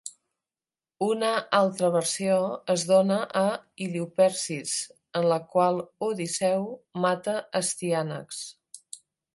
Una altra versió es dona a "Iliupersis", en la qual Odisseu mata Astíanax.